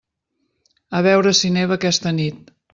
A veure si neva aquesta nit.